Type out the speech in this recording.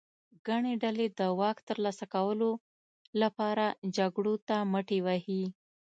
ګڼې ډلې د واک ترلاسه کولو لپاره جګړو ته مټې وهي.